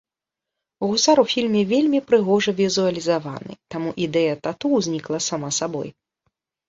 Гусар у фільме вельмі прыгожа візуалізаваны, таму ідэя тату ўзнікла сама сабой.